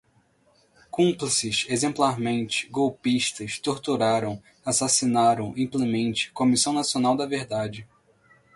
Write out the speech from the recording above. Cúmplices, exemplarmente, golpistas, torturaram, assassinaram, implemente, Comissão Nacional da Verdade